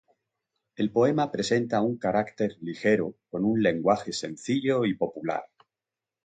El poema presenta un carácter ligero, con un lenguaje sencillo y popular.